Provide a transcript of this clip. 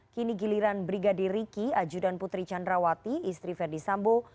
kini giliran brigadir riki ajudan putri candrawati istri verdi sambo